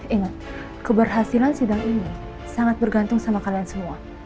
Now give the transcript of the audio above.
ingat keberhasilan sidang ini sangat bergantung sama kalian semua